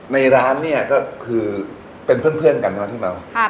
ในร้านเนี่ยก็คือเป็นเพื่อนกันเนอะที่เรา